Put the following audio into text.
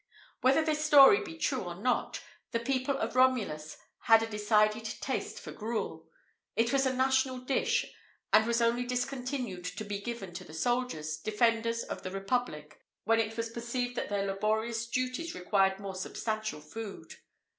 [IV 40] Whether this little story be true or not, the people of Romulus had a decided taste for gruel; it was a national dish, and was only discontinued to be given to the soldiers, defenders of the republic, when it was perceived that their laborious duties required more substantial food.